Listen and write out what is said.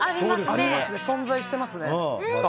ありますね、存在してますね。